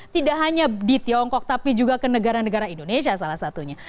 tidak hanya di tiongkok tapi juga ke negara negara indonesia salah satunya